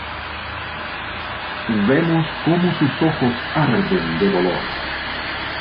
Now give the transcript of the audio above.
Vemos como sus ojos arden de dolor.